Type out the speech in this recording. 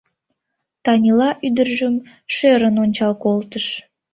Танила ӱдыржым шӧрын ончал колтыш.